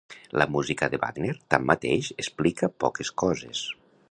La música de Wagner, tanmateix, explica poques coses.